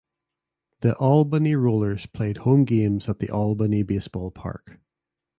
The Albany Rollers played home games at the Albany Base Ball Park.